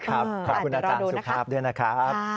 ขอบคุณอาจารย์สุภาพด้วยนะครับ